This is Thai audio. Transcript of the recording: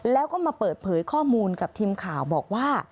แล้วก็มาเปิดเผยข้อมูลกับทีมข่าวบอกว่า